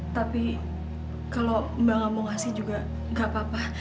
tapi kalau mbak nggak mau ngasih juga nggak apa apa